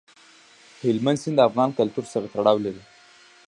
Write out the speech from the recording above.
هلمند سیند د افغان کلتور سره تړاو لري.